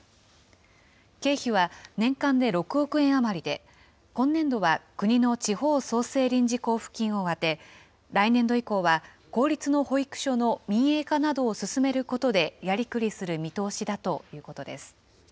経費は年間で６億円余りで、今年度は国の地方創生臨時交付金を充て、来年度以降は、公立の保育所の民営化などを進めることで、やりくりする見通しだということです。